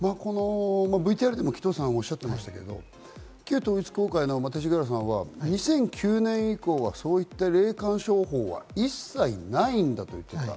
ＶＴＲでも紀藤さん、おっしゃってましたけど、旧統一教会の勅使河原さんは２００９年以降はそういった霊感商法は一切ないんだと言っていた。